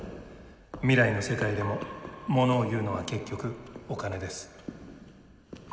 未来の世界でも物を言うのは結局お金です。